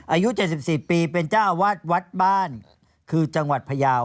อายุ๗๔ปีเป็นเจ้าอาวาสวัดบ้านคือจังหวัดพยาว